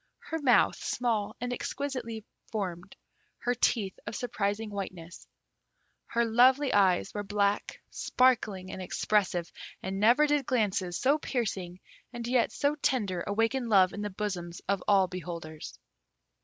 Her mouth small and exquisitely formed, her teeth of surprising whiteness. Her lovely eyes were black, sparkling, and expressive, and never did glances so piercing and yet so tender awaken love in the bosoms of all beholders.